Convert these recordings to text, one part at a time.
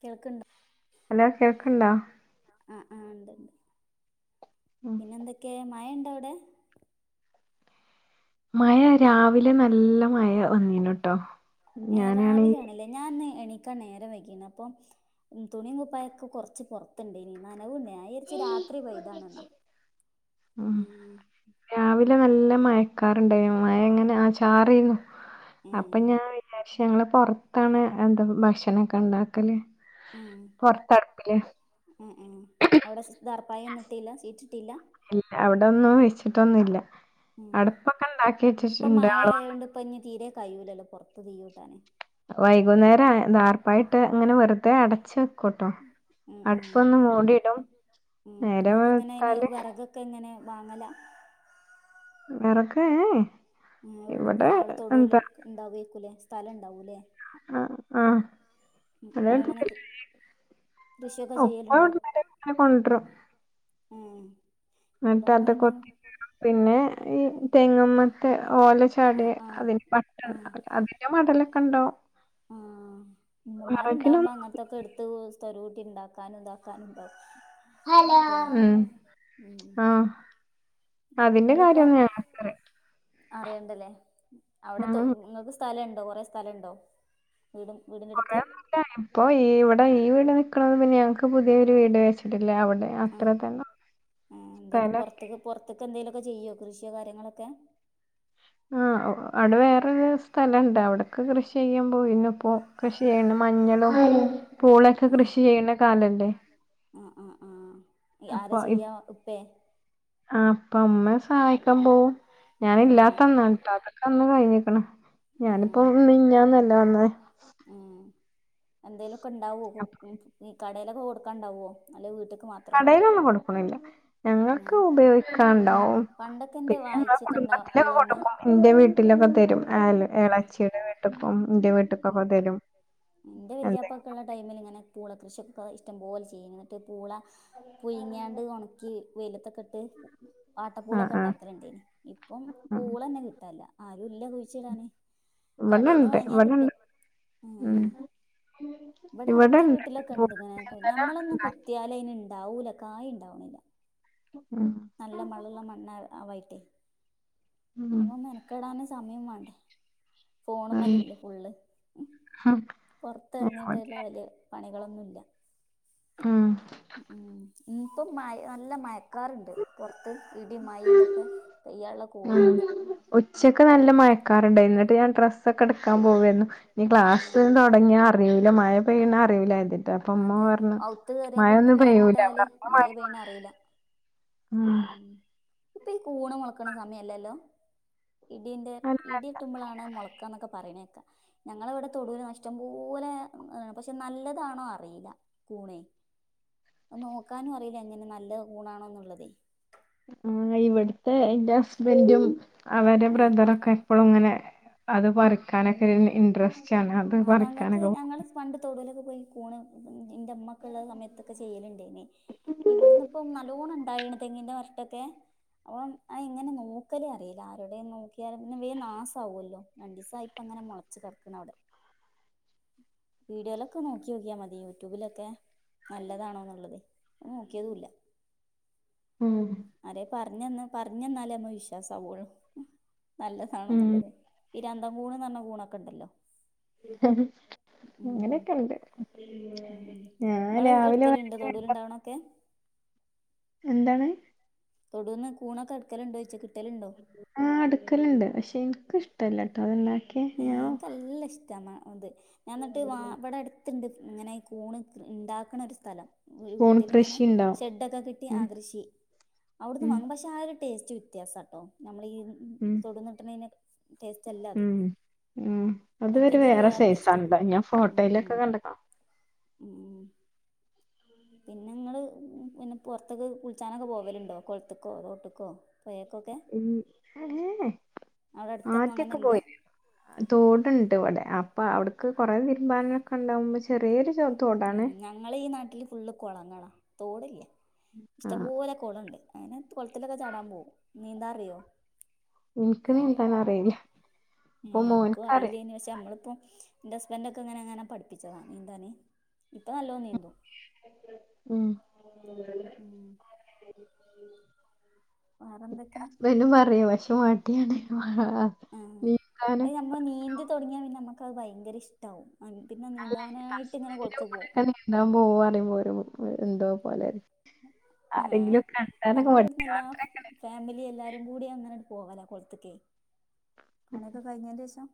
കേൾക്ണ്ടോ hello കേൾക്ണ്ടോ ആഹ് ആഹ് ഉണ്ട്ണ്ട് ഉം പിന്നെ എന്തൊക്കെ മഴണ്ടവിടെ മഴ രാവിലെ നല്ലമഴ വന്നീനുട്ടോ ഏഹ് ഞാനാണെ രാവിലാണല്ലേ ഞാൻ ഇന്ന് എണിക്കാൻ നേരം വൈകീണ് അപ്പൊ തുണികുപ്പായൊക്കെ കുറച്ച് പുറത്ത്ണ്ടേനി നനവുണ്ട് ഞാൻ വിചാരിച്ച് രാത്രി പെയ്താണന്നാ ഉ ഉം രാവിലെ നല്ല മയക്കാറുണ്ടായിനു മഴങ്ങനെ ആ ചാറീന്നു അപ്പൊ ഉം ഞാൻ പക്ഷെ ഞങ്ങള് പൊറത്താണ് എന്താ ഭക്ഷണൊക്കെണ്ടാക്കല് പൊർത്തട്പ്പില് ആഹ് ആഹ് അവിടെ ടാർപ്പായന്നും ഇട്ടീല്ല സീറ്റ്ട്ടില്ല ഇല്ല അവിടൊന്നും വെച്ചിട്ടൊന്നുല്ല ഉം അടുപ്പൊക്കെ ഇണ്ടാക്കി ഇഞ്ഞിപ്പോ വെച്ചിട്ടുണ്ട് ആള് വന്ന് മഴആയോണ്ട് ഇപ്പ ഇനി തീരെ കഴൂലല്ലോ പൊർത്ത് തീയൂട്ടാന് വൈകുന്നേരം ദാർപ്പായിട്ട് അങ്ങനെ വെറുതെ അടച്ച് ചെക്കുട്ടോ ഉം ഉം അടുപ്പൊന്ന് മൂടിടും നേരവെള്ത്താല് ഒക്കെങ്ങനെ വാങ്ങല വെറക് ഏഹ് ഏഹ് ഏഹ് ഓട്ന്നാ അവിടെ തൊടൂല് ഉണ്ടാവേക്കുലേ സ്ഥലണ്ടാവുലേ ആഹ് ആഹ് നിങ്ങളങ്ങനെ കൃ [unintelligible] അങ്ങനെ കൃഷിയൊക്കെ ചെയ്യലുണ്ടോ കൊണ്ടരും ഏഹ് എന്നിട്ട് അതൊ കൊത്തിക്കീറും പിന്നെ ഈ കൊ തെങ്ങ് മത്തെ ഓലച്ചാടി ആഹ് ആഹ് അതിന്റെ പട്ട ആഹ് അതിന്റെ മടലൊക്കെണ്ടാവു ആഹ് ഉമ്മമാര്ണ്ടാവുമ്പ അങ്ങനെ ഇതൊക്കെ എടുത്ത് സ്ഥരൂട്ടിണ്ടാക്കാനും ഇതാക്കാനും ഉം ല്ലേ ആഹ് ഇങ്ങളിപ്പൊ അറിയണ്ടല്ലേ അവിടെ തൊ ഉം ഇങ്ങക്ക് സ്ഥലണ്ടോ കൊറേ സ്ഥലണ്ടോ വീട് വീടിനടുത്ത് ഇല്ല ഇപ്പൊ ഈ ഇവിടെ ഈ വീട് നിക്കണത് പിന്നെ ഞങ്ങക്ക് പുതിയൊരു വീട് വെച്ചിട്ടില്ല അവിടെ ആഹ് അത്ര തന്നെ ആഹ് എന്തേലും സ്ഥലം പുറത്തക്ക് പുറത്തക്ക് എന്തേലൊക്കെ ചെയ്യോ കൃഷിയോ കാര്യങ്ങളൊക്കെ ആഹ് അവിടെ വേറൊരു സ്ഥലണ്ട് അവിടൊക്കകൃഷി ചെയ്യാൻ പോയിന്നു ഇപ്പൊ കൃഷി ചെയ്യുന്ന മഞ്ഞളും പൂളൊക്കെ കൃഷിചെയ്യണ കാലല്ലേ ആഹ് ആഹ് ആഹ് അപ്പൊ ആരാചെയ്യാ ഉപ്പേ ആഹ് ഉപ്പ ഉമ്മേ സഹായിക്കാൻ പോവും ഞാൻ ഞാന്ല്ലാത്തന്നാട്ടോ അതൊക്കെ അന്ന് കഴിഞ്ഞിക്കണ് ഞാനിപ്പൊ മിഞ്ഞാന്നല്ലേ വന്നെ ഉം എന്തേലൊക്കെ ഉണ്ടാവോ അപ്പൊ ഈ കടേലൊക്കെ കൊടുക്കാണ്ടാവോ അല്ലെ വീട്ടേക്ക് മാ കടേലൊന്നും കൊടുക്കണില്ല ഞങ്ങക്ക് ഉം ഉപയോഗിക്കാണ്ടാവും പണ്ടൊക്കെ എന്റെ പിന്നെ ഞങ്ങളെ വായിച്ചൊക്കെ ഇണ്ടാ കുടുംമ്പ ത്തിലൊക്കെ ഉള്ളന്ന് കൊടുക്കും ഇന്റെ വീട്ടിലൊക്കെതരും ആ എളയച്ചീടെ വീ ട്ട്ക്കും ഇന്റെ വീട്ട്ക്കൊക്ക തരും ഇന്റെ എന്തെങ്കിലും വല്യപ്പൊക്കള്ള ടൈമിൽ ഇങ്ങനെ പൂള കൃഷിയൊക്കെ ഇഷ്ട്ടം പോലെ ചെയ്യും എന്നിട്ട് പൂള- പുഴ്ങ്യാണ്ട് ഒണക്കി വെയിലത്തൊക്കെ ഇട്ട് ആഹ് വാട്ടപ്പൂളക്കെ ആഹ് ഉണ്ടാക്കലുണ്ടേനി ഇപ്പം ആഹ് പൂളന്നെ കിട്ടാനില്ല ആരും ഇല്ല കുഴിച്ചിടാന്. കടേന്നു ഇവിടെണ്ട് വാങ്ങിയാ ഇവിടെണ്ട് കിട്ടും ഉം. [inaudible] ഇവിടെ അടുത്ത ഇവിടെണ്ട് വീട്ടിലൊക്കെ ഇണ്ട്ങ്ങനെ ഇന്നലെ ഞമ്മളൊന്നും ഉണ്ടാക്കി കുത്തിയാലയിനിണ്ടാവൂല കായുണ്ടാവണില്ല. ഉം നല്ല മളുള്ള മണ്ണ ആവായിട്ടേ ഉം [unintelligible] മെനക്കെടാനും സമയം മേണ്ടേ ഫോണും മേലല്ലേ ഫുള്ള്. ഹ് പൊറത്തെറങ്ങീട്ടുള്ള വലിയ പണികളൊന്നുംല്ല ഉം ഉം ഇനീപ്പം മയ നല്ല മയക്കാറുണ്ട് പൊറത്ത് ഇടീം മഴേം ഇതൊക്കെ പെയ്യാള്ള കോളുണ്ട്. ഉച്ചക്ക് നല്ല മയക്കാറണ്ടായിരുന്നു എന്നിട്ട് ഞാൻ ഡ്രസ്സൊക്കെ എടുക്കാൻ പോവേരുന്നു, നീ [unintelligible] കരുതിട്ട് അപ്പൊ ഉമ്മ അതെ, പറഞ്ഞു ഔത്ത് കേറിയാ പിന്നെ മഴൊന്നും പെയ്യൂല ഫാനിട്ടാല് പറഞ്ഞ മയ മാതിരി മഴ പെയ്യണറിയില്ല ഉം. ഇപ്പൊ ഈ കൂണ് മൊളക്കണ സമയല്ലല്ലോ ഇടീന്റെ അല്ല ഇടി വെട്ടുമ്പളാണ് മൊളക്കാന്നക്ക പറയണേക്കാം ഞങ്ങള ഇവിടെ തൊടൂന്ന് ഇഷ്ട്ടം പോലെ, പക്ഷെ നല്ലതാണോ അറിയില്ല, കൂണെ. നോക്കാനും അറിയില്ല എങ്ങനെ നല്ല കൂണാണോന്നുള്ളതേ. ആഹ് ഇവിടുത്തെ എന്റെ ഹ സ്ബൻറും അവരെ ഉം ബ്രദറൊക്കെ. ഇപ്പൊളും ഇങ്ങനെ അത് പറിക്കാനൊക്കെ ഇൻണ്ട്രസ്റ്റ് ആണ് അത് ആ ഞങ്ങൾക്ക് പറിക്കാനൊക്കെപോകും. ഞങ്ങള് പണ്ട് തൊടീലൊക്കെ പോയി കൂണ്, എന്റെമ്മക്ക ഉള്ള സമയത്തൊക്കെ ചെയ്യലുണ്ടേനീ ഇവിടുന്ന് ഇപ്പം നല്ലോണം ഇണ്ടാണേണ് തെങ്ങിന്റെ അറ്റ ത്തെ. അപ്പം അഇങ്ങനെ നോക്കല് അറിയില്ല ആരോടെ നോക്കിയാലും പിന്നേ വേം നാസാവ്വല്ലോ, രണ്ടീ സായി ഇപ്പ അങ്ങനെ മുള- ച്ചു കെടക്കണവിടെ. വീഡിയോയിലൊക്കെ നോക്കി നോക്കിയാ മതി യൂട്യൂബിലൊക്കെ. നല്ലതാണോന്നുള്ളത്, അത് നോക്കിയതുവില്ല. ഉം ആരെ പറഞ്ഞന്ന പറഞ്ഞന്നാലേ നമ്മള് വിശ്വാസാവുള്ളു നല്ലതാണോന്നൊള്ളത്. ഉം ഈ രണ്ടാം കൂണ്ന്ന് പറഞ്ഞ കൂണൊക്കെണ്ടല്ലോ. അങ്ങനെക്കെണ്ട്. ഉം ഞാൻ രാവിലെ വരെ ക്കെ എന്താണ്? തൊടീന്ന് കൂണൊക്കെടുക്കലുണ്ടോച്ച കിട്ടലുണ്ടോ? ആ എടുക്കലുണ്ട് പക്ഷെ എനിക്കിഷ്ടല്ലട്ടോ അത്ണ്ടാ ഏഹ് എനിക്കല്ല ഇഷ്ടാന്നാ അത് ഞാൻ എന്നിട്ട് വാ ഇവിടടു ത്തുണ്ട് ഇങ്ങനെ കൂണ് ഇണ്ടാക്കണ ഒരു സ്ഥലം. വീ പൂൺ വീട്ടിലിങ്ങനെ കൃഷി ഉണ്ടാവും ഷെഡ്ഡോക്കെ കെട്ടി ആ ഉം കൃഷി അവിടുന്ന് ഉം വാങ്ങും പക്ഷെ ആ ഒരു ടേസ്റ്റ് വ്യത്യാസാട്ടോ നമ്മളീ ഉം തൊടിന്ന്ട്ടണെതിന്റെ ടേസ്റ്റ് അല്ല അത്. ഉം ഉം അത് ഒര് മറ്റേതൊരു വേറെ ടേസ്റ്റാ സൈസാണട്ടൊ ഞാൻ ഉം ഫോട്ടോയിലൊക്കെ ഉം കണ്ടതാ. ഉം പിന്നെങ്ങള് പിന്നെ പുറത്ത്ക്ക് കുളിച്ചാനൊക്കെ പോകലുണ്ടോ കൊളത്തുക്കോ തോട്ടുക്കോ? പൊയക്കൊക്കെ? ഉം ഏഹ് ഏഹ് അടുത്തൊന്നും അങ്ങനെ ആദ്യൊക്കെ ഇല്ല പോയിരുന്ന് തോടുണ്ട് ഇവിടെ അപ്പൊ അവിടുക്ക് കുറെ തിരുമ്പാനൊക്കെണ്ടാവുമ്പോ ചെറിയൊരു ചോ- ഉം തോടാണ് ഞങ്ങളെയീ നാട്ടില് ഫുള്ള് കൊളങ്ങളാ തോടില്ല. ആ ഇഷ്ടംപോലെ കൊളണ്ട് അങ്ങനെ കൊളത്തിലൊക്കെ ചാടാൻ പോവും നീന്താറിയോ? ഇൻക്ക് നീന്താൻ അറിയില്ല. അപ്പൊ ഏഹ് മോൻക്കറിയാം ഇൻക്കറിയില്ലേയ്നു പക്ഷെ നമ്മളിപ്പോ ൻ്റെ ഹസ്ബൻ്റൊക്കെങ്ങനെങ്ങന പഠിപ്പിച്ചതാ നീന്താന് ഇപ്പൊ നല്ലോ നീന്തും. എത്രേ ഉം ൻ്റ വേറെന്തൊക്കെ ഹസ്ബൻ്റും പറയും പക്ഷെ മടിയാണ് മാ നീ അഹ നമ്മള് നീന്തി തൊടങ്ങിയാല് പിന്നമ്മ ക്കവ് ഭയങ്കര ഇഷ്ടാവു അൻ പിന്നെ നീന്താനായിട്ട്ങ്ങനെ കൊളുത്തു പോവും. ന്താൻ പോവാറിബോ ഒരു എന്തോ പോലെ. ഏഹ് ആരെങ്കിലു കണ്ടാലൊക്കെ ഞങ്ങള് മടി ഇവിടുന്ന് എല്ലാ യാത്രക്ക്ണ്ടേലു ഫാമിലി എല്ലാരുകൂടി അങ്ങനെങ്ങട് പോവലാ കൊളത്ത്ക്കെ പണിയൊക്കെ കഴിഞ്ഞേൻ്റേഷം.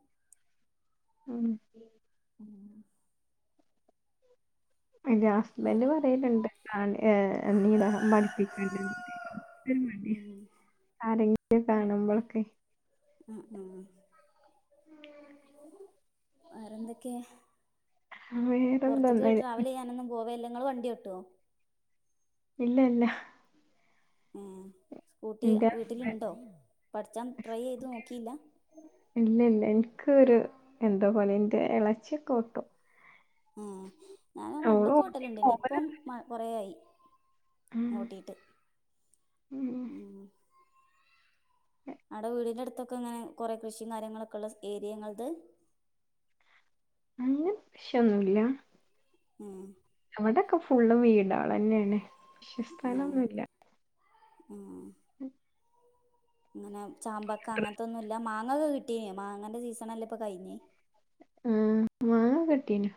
ഉം ഉം ന്റെ ഹസ്ബൻഡ് വേറെ പറയലുണ്ട് ഏഹ് നീന്താൻ പഠിപ്പിക്ക്ണ്ട്ന്ന് ഒക്കെ ഇൻക്കൊരു മടിയാ ഉം ആരങ്കിലും കാണുമ്പളൊക്കെ ആഹ് ആഹ് വേറെന്തൊക്കെ? പൊറ്ത്ത്ക്ക് വേറെന്തൊന്നുമില്ല ട്രാവലെയ്യാനൊന്നും പോവൽല്ലെ ഇങ്ങള് വണ്ടിയോട്ടോ? ഇല്ല ഇല്ല. ഏഹ് സ്കൂട്ടി എന്റെ ഹസ്ബൻഡ് വീട്ടിലുണ്ടോ പഠിച്ചാൻ ട്രൈയ്യെയ്ത് നോക്കീല്ല? ഇല്ല ഇല്ല ഇൻക്കൊരു എന്തോപോലെ ഇന്റെ എളച്ചി ഒക്കോട്ടും. ആഹ് ഞാൻ അവള് പണ്ടൊക്കെ ഓട്ടി ഓട്ടല്ണ്ടയ്നി പോകലുണ്ട് ഇപ്പം കൊറെ ആയി. ഉം. ഓട്ടീട്ട് ഉം. അവ്ടെ വീടിന്റെടുത്തൊക്കെങ്ങനെ കൊറേ കൃഷിം കാര്യങ്ങളൊക്കെള്ള ഏരിയങ്ങളത്? അങ്ങനെ കൃഷിയൊന്നുല്ല. ഉം അവിടൊക്കെ ഫുള്ള് വീടാളഞ്ഞേണ്. ഉം ഉം ഉം ഇങ്ങനെ ചാമ്പക്ക അങ്ങൻത്തൊന്നുല്ല മാങ്ങൊക്കെ കിട്ടീനോ? മാങ്ങന്റെ സീസണല്ലപ്പ കഴിഞ്ഞേ? ആഹ് മാങ്ങക്കെ കിട്ടീനു.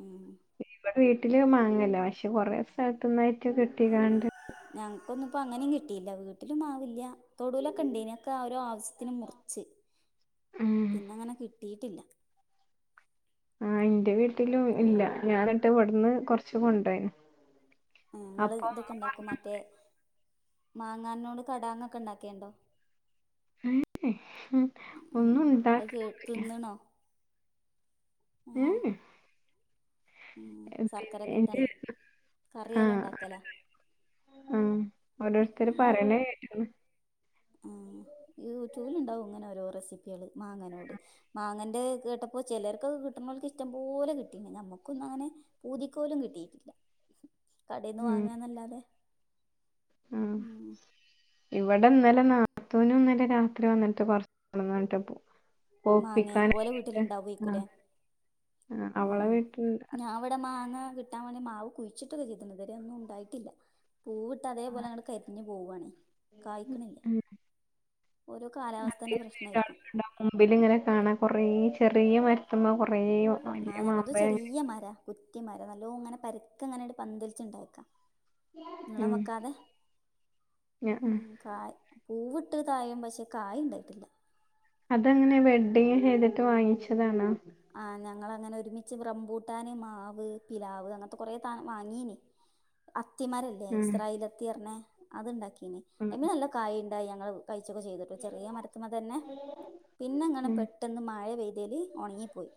ഉം ഇവടെ വീട്ടില് മാങ്ങല്ല പക്ഷെ കൊറെ സ്ഥലത്ത്ന്നായിട്ട് കിട്ടിങ്ങാണ്ട് ഞങ്ങക്കൊന്നുപ്പോ അങ്ങനെ കിട്ടിയില്ല വീട്ടിലും മാവില്ല. തൊടൂലൊക്ക്ണ്ടെയ്‌നി അതെക്കെ ഓരോ ആവസ്യത്തിന് മുറിച്ച്. ഉം പിന്നങ്ങനെ കിട്ടിട്ടില്ല. ആഹ് ഇന്റെ വീട്ടിലു ഇല്ല ഞാന്ട്ട് ഇവിട്ന്ന് കൊറച്ച് കൊണ്ടയി. ഉം ങ്ങള് ഇതൊക്കെ ഇണ്ടാക്കു മറ്റേ മാങ്ങാന്നോട് കടാങ്ങക്കെ ഇണ്ടാക്കേണ്ടോ? "ഉം, ഉം ഒന്നും അത് കേ ഉണ്ടാക്കലൊന്നുല്ല തിന്ന്ണോ? ഏഹ് ഉം പിന്നെ എന്റെ സർക്കരക്കെട്ടാണ്ട് കറ്യോല ആഹ് ഇണ്ടാക്കല. ആഹ് ഓരോരുത്തര് ഉം പറയണേ കേട്ട്ക്ക് ആഹ് യൂട്യൂബിലുണ്ടാവും ഇങ്ങനെ ഓരോ റെസിപ്പികള് മാങ്ങനോട്. മാങ്ങന്റെ ഇത് കേട്ടപ്പോ ചെലർക്കൊ കിട്ട്ണോൽക്ക് ഇഷ്ടംപോലെ കിട്ടീക്ക്ണ്. ഞമ്മക്കൊന്നങ്ങനെ പൂതിക്കോലു കിട്ടിയിട്ടില്ല. കടേന്ന് ഉം വാങ്ങാന്നല്ലാതെ. ആഹ് ഉം ഇവിടെ ഇന്നലെ നാത്തൂനുന്നലെ രാത്രി വന്നിട്ട് കൊറച്ച് [unintelligible] കൊട്ടന്നാണ്ട് പോ മാങ്ങെ ഓലെ പോപ്പിക്കാനായിട്ട് വീട്ടിലിണ്ടാവയ്ക്കൂലെ? ആഹ് ആഹ് ഉം അവളെ ഉം വീട്ടിൽ ഞാ ബടെ മാങ്ങ കിട്ടാൻ വാണ്ടി മാവ് കുഴിച്ചിട്ടൊക്കെ ചെയ്ത്ണ് ഇത്‌വരെ ഒന്നും ണ്ടായിട്ടില്ല. പൂവ് ട്ടതേ പോലങ് കരിഞ്ഞു പോവാണെ കായ്ക്ക്ണില്ല. ഉം ഓരോ കാലാവസ്ഥൻ്റെ അധികം പ്രശ്നായിരിക്കും. വീട്ടാളുകളുണ്ടാവും മുമ്പിലിങ്ങനെ കാണാ കൊറേ ചെറിയ മരുത്ത്മ്മ കൊ ആഹ് ഞങ്ങൾതു ചെറിയ മര. കുറ്റി മര നല്ലോ ങ്ങനെ പര്ക്കെങ്ങനെ പന്തലിച്ചുണ്ടയക്ക ഉം നിളംവെക്കാതെ ഉം കായ് പൂവിട്ട് തായും പക്ഷെ കായ ണ്ടായിട്ടില്ല. അതങ്ങനെ വെഡ്ഡിങ് ചെയ്തിട്ട് വാങ്ങിച്ചതാണ? ആഹ് ഞങ്ങളങ്ങനെ ഒരുമിച്ച് റംബൂട്ടാാന് മാവ് പിലാവ് അങ്ങൻത്തെ കുറേ സാധനം വാങ്ങീനി. [inaudible] അത്തിമരല്ലേ ഉം ഇസ്രായേലത്തി പറഞ്ഞെ അത്ണ്ടാക്കീനി ഉം അയ്മെ നല്ല കായ ഇണ്ടായി ഞങ്ങള് കഴിച്ചൊക്കെ ചെയ്തിട്ടോ ചെറിയ മരത്ത്മ്മെ തന്നെ പിന്നെങ്ങനെ ഉം പെട്ടെന്ന് മഴ പെയ്തേൽ ഒണങ്ങി പോയി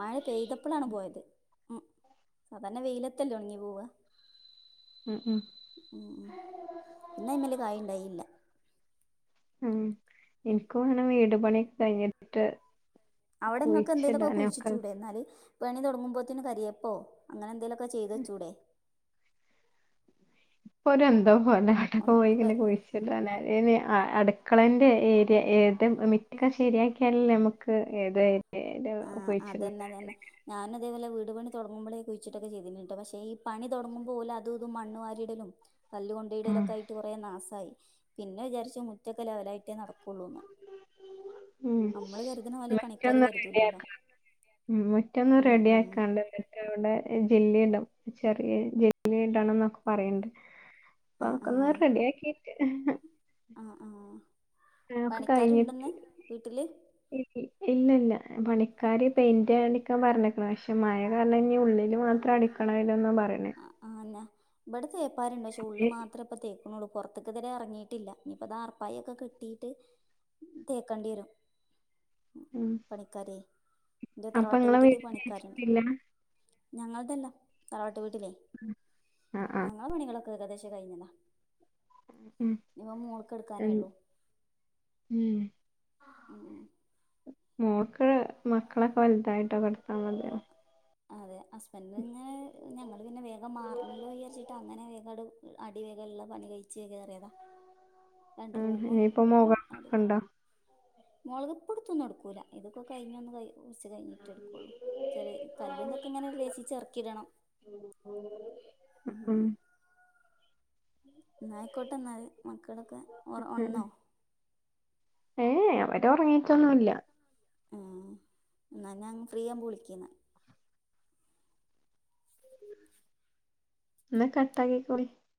മഴ പെയ്തപ്പളാണ് പോയത്. ഉം സാധാരണ വെയിലത്തല്ലേ ഒണങ്ങി പോവ ഉം ഉം ഉം ഉം പിന്നെ അയ്മല് കായ്ണ്ടായില്ല. ഉം ഇൻക്ക് അങ്ങനെ വീട് പണിയൊക്കെ കഴിഞ്ഞിട്ട്. അവിടെ ങ്ങക്ക് എന്തേലൊക്കെ കുഴിച്ചിടാനൊക്കെ കുഴിച്ചിട്ടൂടെ ന്നാല് പണി തുടങ്ങുമ്പോക്ക് കരിയേപ്പോ അങ്ങനെ എന്തെങ്കില ക്കെ ചെയ്തു വെചൂടെ. പ്പൊ ഒരു എന്തോ പോല അവിടെ പോയി ഇങ്ങനെ കുഴി ട്ടന്നെ ഇനി അടുക്കളന്റെ ഏരിയ ഏത് മിറ്റ ഒക്കെ ശരിയാക്കിയാലേ നമ്മ ക്ക് ഏത് ഏരിയേല് ആഹ് കുഴിച്ചിടണ്ടേ അതന്നെതന്നെ ഞാന അതേപോലെവീട് പണി തുടങ്ങുമ്പോഴേ കുഴിച്ചിട്ടൊക്കെ ചെയ്തിട്ടിട്ട് പക്ഷേ ഈ പണി തുടങ്ങുമ്പോഓല് അതും ഇതും മണ്ണുവാരിയിടലും കല്ല് ഉം കൊണ്ടയിടലൊക്കെ ആയി ട്ട് കുറേ നാശായി പിന്നെ വിചാരിച്ച മുറ്റക്കെ ലെവലായിട്ടേ നടക്കുള്ളൂന്ന് നമ്മള് കരുതുന്ന പോലെ പണിക്കാാര് കരു റെഡിയാക്കാന് ഉം മുറ്റൊന്നും ഉം റെഡി ഉം ആക്കാണ്ടല്ല് അവിടെ ജെല്ലിണ്ടാവും ചെറിയ ജെല്ലി ഇടണംന്ന പറയണ്ട് അപ്പൊ ആ അക്കന്ന് റെഡിയ ആക്കിട്ട് ആഹ് ആഹ് ഒക്കെ പണിക്കാരുണ്ടന്ന് വീട്ടില് ഇല്ലല്ല പണിക്കാര് പെയിന്റ് അടിക്കാൻ പറഞ്ഞിക്കണം പക്ഷെ മഴ കാരണം കഴിഞ്ഞ ഉള്ളില് മാത്രം അടിക്ക കളയില്ലൊന്നും പറയണേ ആന്ന ഇവിടെ തേപ്പാരുണ്ടോ പക്ഷെ ഉള്ള് ഏ, മാത്രം ഇപ്പ തേക്ക ക്കുന്നുള്ളു പുറത്തക്കെതിരെ ഇറങ്ങിയിട്ടില്ല ഇനിയിപ്പ അത് ആർപ്പായ ഒക്കെ കെട്ടിയിട്ട് തേക്കേണ്ടി വരും ഉം ഉം പണിക്കാരേ എന്റെ അപ്പൊ തറവാട്ട് നിങ്ങളെ വീട്ടില് വീട് പണിക്കാരുണ്ട് തേച്ചിട്ടില്ല ഞങ്ങളതല്ലാ വീട്ടില് ആഹ് ആഹ് അങ്ങാള് പണികളക്കെ ഏകദേശ കഴിഞ്ഞതാ ഉം ഇനിപ്പോ മോൾക്ക് എ എടുക്കാനേ ഉള്ളൂ ഉം ഉം മോള്ക്ക് മക്കളൊക്കെ വലുതായിട്ടോ കൊടുത്താൽ മതിയല്ലോ അതെ ഹസ്ബന്റ് നിങ്ങെ ഞങ്ങള് പിന്നെ വേഗം മാറണല്ലോ വിചാരിച്ചിട്ടാ അങ്ങനെ വേഗം അത് അടിവരെള്ള പണി കഴിച്ച് കയെറിയതാ രണ്ട് ഉം. ഇനിയിപ്പോ റൂമ്മൂ അടി മോകളൊക്കെ ഉണ്ടോ മുളക്പ്പൊടുത്തൊന്നും എടുക്കൂല ഇതൊക്കെഴിഞ്ഞൊന്ന് ക ഉറച്ച് കഴിഞ്ഞിട്ട് റ്റെടുക്കുള്ളൂ ചെറി കല്ലന്നൊക്കെ ഇങ്ങനെ രസി ചെറക്കിടണം ഉം ന്നായിക്കോട്ടെ എന്നാല് മക്കളൊക്കെ ഒറ ഉം ഒണന്നോ ഏ അവരെ ഉറങ്ങീയിട്ടൊന്നുല്ല ആഹ് എന്നാ ഞാൻ ഫ്രീ ആകുമ്പോൾ വിളിക്കന്ന എന്ന കട്ടാക്കി കൊളി